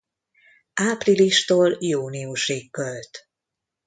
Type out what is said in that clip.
Áprilistól júniusig költ.